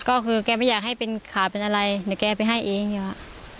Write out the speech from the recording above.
ก็คือแกไม่อยากให้เป็นข่าวเป็นอะไรเดี๋ยวแกไปให้เองอยู่